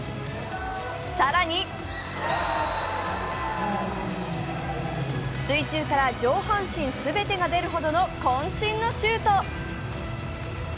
更に水中から上半身全てが出るほどのこん身のシュート。